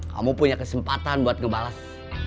kamu punya kesempatan buat ngebalas